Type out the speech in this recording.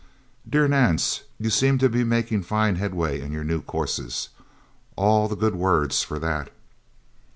"Dear Nance: You seem to be making fine headway in your new courses. All the good words, for that..."